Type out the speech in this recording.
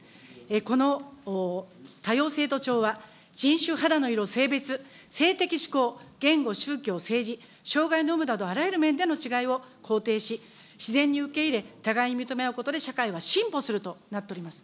この多様性と調和、人種、肌の色、性別、性的指向、言語、宗教、政治、障害の有無などあらゆる面での違いを肯定し、自然に受け入れ、互いに認め合うことで社会は進歩するとなっております。